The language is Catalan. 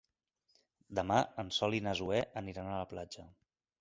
Demà en Sol i na Zoè aniran a la platja.